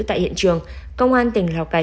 tại hiện trường công an tỉnh lào cai